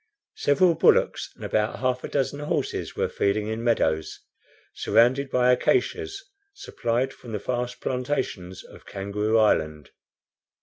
Several bullocks and about half a dozen horses were feeding in meadows, surrounded by acacias supplied from the vast plantations of Kangaroo Island.